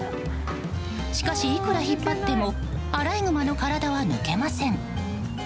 しかし、いくら引っ張ってもアライグマの体は抜けません。